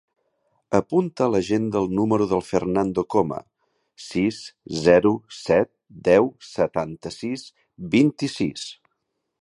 Apunta a l'agenda el número del Fernando Coma: sis, zero, set, deu, setanta-sis, vint-i-sis.